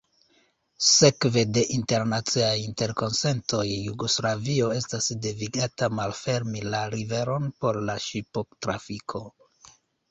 Sekve de internaciaj interkonsentoj Jugoslavio estas devigata malfermi la riveron por la ŝiptrafiko.